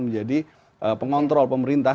menjadi pengontrol pemerintah